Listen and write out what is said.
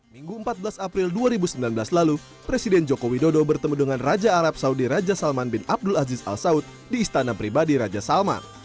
minggu empat belas april dua ribu sembilan belas lalu presiden joko widodo bertemu dengan raja arab saudi raja salman bin abdul aziz al saud di istana pribadi raja salman